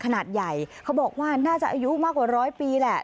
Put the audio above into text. ขนาดใหญ่เขาบอกว่าน่าจะอายุมากกว่าร้อยปีแหละ